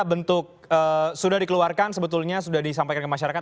bentuk sudah dikeluarkan sebetulnya sudah disampaikan ke masyarakat